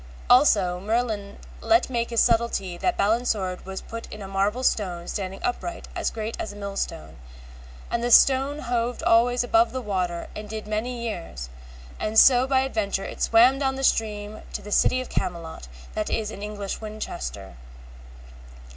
Also Merlin let make by his subtilty that Balin's sword was put in a marble stone standing upright as great as a mill stone, and the stone hoved always above the water and did many years, and so by adventure it swam down the stream to the City of Camelot, that is in English Winchester.